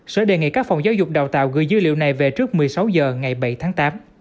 sở đề nghị các phòng giáo dục đào tạo gửi dữ liệu này về trước một mươi sáu h ngày bảy tháng tám